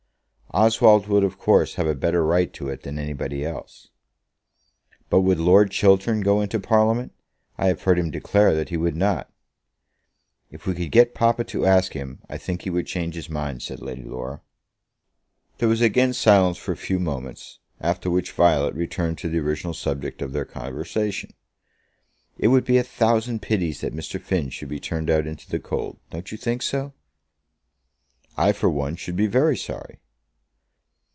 "Oswald would of course have a better right to it than anybody else." "But would Lord Chiltern go into Parliament? I have heard him declare that he would not." "If we could get papa to ask him, I think he would change his mind," said Lady Laura. There was again silence for a few moments, after which Violet returned to the original subject of their conversation. "It would be a thousand pities that Mr. Finn should be turned out into the cold. Don't you think so?" "I, for one, should be very sorry."